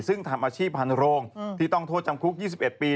ซึ่งทำอาชีพพันโรงที่ต้องโทษจำคุก๒๑ปี